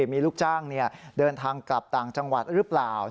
มีลูกจ้างเดินทางกลับต่างจังหวัดหรือเปล่า